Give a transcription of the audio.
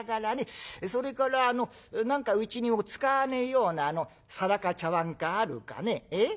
それから何かうちに使わねえような皿か茶碗かあるかね。